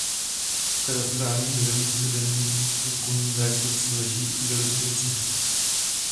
V katastrálním území Studený u Kunratic leží i Lipnice.